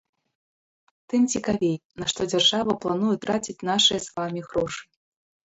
Тым цікавей, на што дзяржава плануе траціць нашыя з вамі грошы!